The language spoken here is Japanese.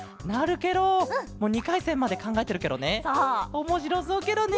おもしろそうケロね。